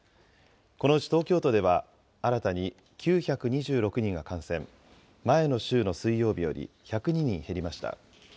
このうち東京都では、新たに９２６人が感染、前の週の水曜日より１０２人減りました。